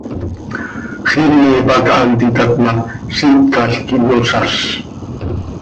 Xiime pac haa ntitat ma, ziicalc quih iyozáz.